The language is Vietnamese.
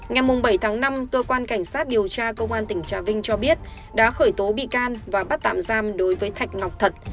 ngày bảy tháng năm cơ quan cảnh sát điều tra công an tỉnh trà vinh cho biết đã khởi tố bị can và bắt tạm giam đối với thạch ngọc thật